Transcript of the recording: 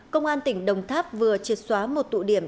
công an tỉnh đồng tháp vừa triệt xóa một tụ điểm